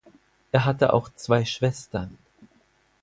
Er hatte auch zwei Schwestern.